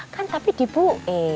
kan tapi di bu e